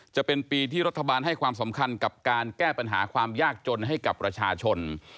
จะเป็นปีที่รัฐบาลให้ความสำคัญกับการแก้ปัญหาความยากจนให้กับประชาชน